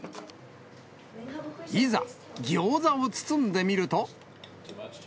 いざ、ギョーザを包んでみると。